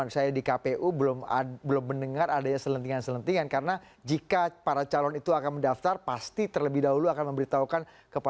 jelang penutupan pendaftaran